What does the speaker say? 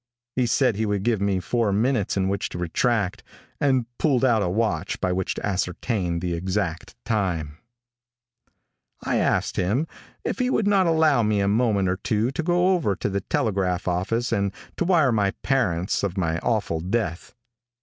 He said he would give me four minutes in which to retract, and pulled out a watch by which to ascertain the exact time. [Illustration: 0067] I asked him if he would not allow me a moment or two to go over to the telegraph office and to wire my parents of my awful death.